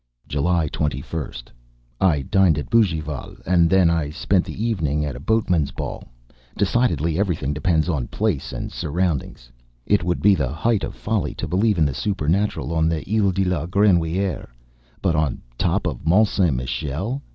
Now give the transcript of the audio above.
July 21st. I dined at Bougival, and then I spent the evening at a boatmen's ball. Decidedly everything depends on place and surroundings. It would be the height of folly to believe in the supernatural on the île de la Grenouillière ... but on the top of Mont Saint Michel?...